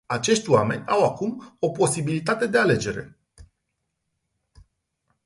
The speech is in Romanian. Acești oameni au acum o posibilitate de alegere.